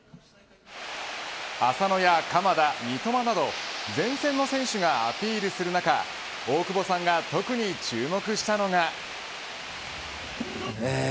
浅野や鎌田、三笘など前線の選手がアピールする中大久保さんが特に注目したのが。